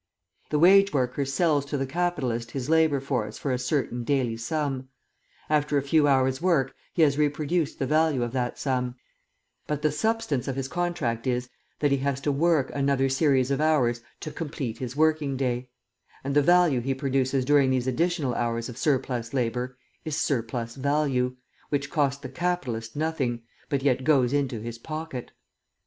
The wage worker sells to the capitalist his labour force for a certain daily sum. After a few hours' work he has reproduced the value of that sum; but the substance of his contract is, that he has to work another series of hours to complete his working day; and the value he produces during these additional hours of surplus labour is surplus value, which cost the capitalist nothing, but yet goes into his pocket.